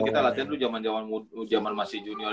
kita latihan dulu jaman jaman masih junior